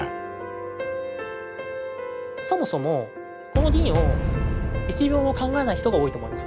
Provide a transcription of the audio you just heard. そもそもこの銀を１秒も考えない人が多いと思います